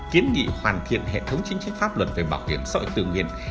kiến nghị hoàn thiện hệ thống chính trách pháp luật về bảo hiểm xã hội tự nhiên